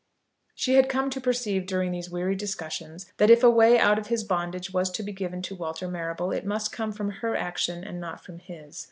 She had come to perceive during these weary discussions that if a way out of his bondage was to be given to Walter Marrable it must come from her action and not from his.